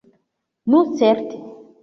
Nu certe!